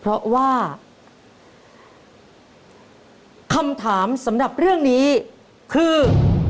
เพราะว่าคำถามสำหรับเรื่องนี้คือ